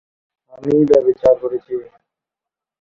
আমি ব্যভিচার করেছি।